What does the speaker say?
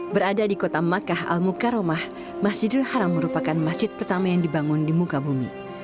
berada di kota makkah al mukaromah masjidul haram merupakan masjid pertama yang dibangun di muka bumi